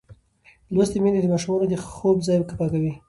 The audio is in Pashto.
لوستې میندې د ماشومانو د خوب ځای پاکوي.